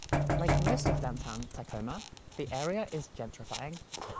Like most of downtown Tacoma, the area is gentrifying.